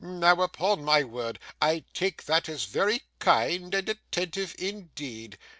Now, upon my word, I take that as very kind and attentive indeed!